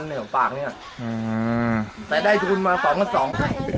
อันนี้ก็ไม่ลากแม้ไม่เป็นอย่างนั้นหรอก